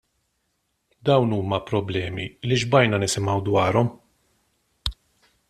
Dawn huma problemi li xbajna nisimgħu dwarhom.